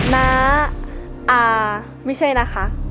น้าอาไม่ใช่นะคะ